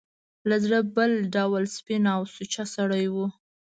له زړه بل ډول سپین او سوچه سړی و.